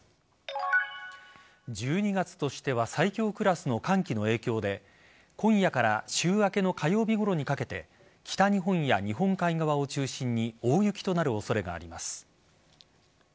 １２月としては最強クラスの寒気の影響で今夜から週明けの火曜日ごろにかけて北日本や日本海側を中心に大雪となる恐れがあります。